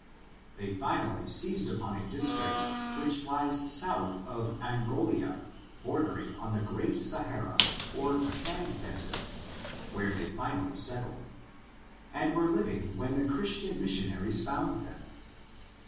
They finally seized upon a district which lies south of Anffolia, bordering on the great Sahara, or sand desert, where they finally settled, and were living when the Christian missionaries found them.